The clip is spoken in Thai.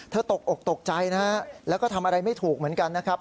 ตกอกตกใจนะฮะแล้วก็ทำอะไรไม่ถูกเหมือนกันนะครับ